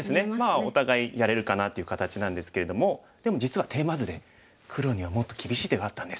お互いやれるかなっていう形なんですけれどもでも実はテーマ図で黒にはもっと厳しい手があったんです。